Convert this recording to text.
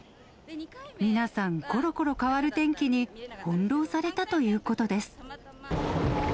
皆さん、ころころ変わる天気に翻弄されたということです。